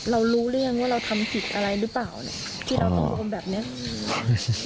รู้หรือยังว่าเราทำผิดอะไรหรือเปล่าเนี่ยที่เราต้องโดนแบบเนี้ยอืม